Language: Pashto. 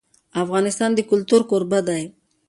افغانستان د کلتور کوربه دی.